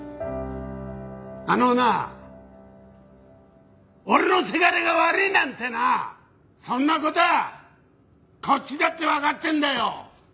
あのな俺の倅が悪いなんてなあそんな事はこっちだってわかってんだよ。